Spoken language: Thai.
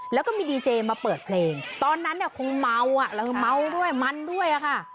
แล้วก็มีดีเจมาเปิดเพลงตอนนั้นเนี่ยคงเมาอ่ะแล้วเมาด้วยมันด้วยอะค่ะ